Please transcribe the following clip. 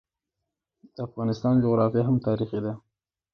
د افغانستان جغرافیه هم تاریخي ده.